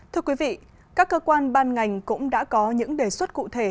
thưa quý vị các cơ quan ban ngành cũng đã có những đề xuất cụ thể